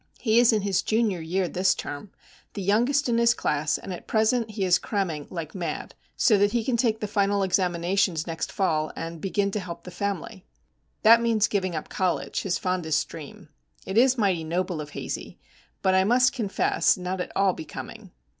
He is in his Junior year this term, the youngest in his class, and at present he is cramming like mad, so that he can take the final examinations next fall, and "begin to help the family." That means giving up college, his fondest dream. It is mighty noble of Hazey; but, I must confess, not at all becoming.